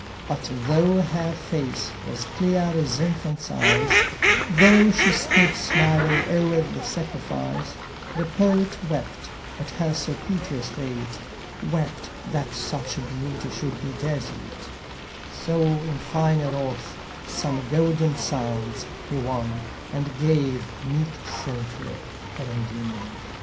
But though her face was clear as infant's eyes, Though she stood smiling o'er the sacrifice, The Poet wept at her so piteous fate, Wept that such beauty should be desolate: So in fine wrath some golden sounds he won, And gave meek Cynthia her Endymion.